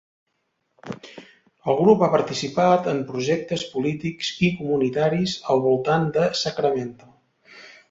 El grup ha participat en projectes polítics i comunitaris al voltant de Sacramento.